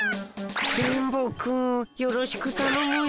電ボくんよろしくたのむよ。